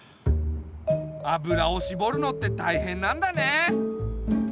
油をしぼるのってたいへんなんだね。